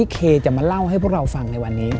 เคจะมาเล่าให้พวกเราฟังในวันนี้